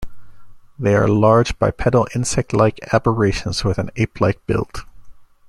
They are large, bipedal, insect-like aberrations with an ape-like build.